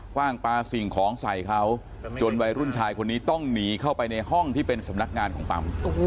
ว่างปลาสิ่งของใส่เขาจนวัยรุ่นชายคนนี้ต้องหนีเข้าไปในห้องที่เป็นสำนักงานของปั๊ม